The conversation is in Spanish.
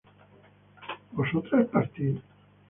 ¿vosotras partís?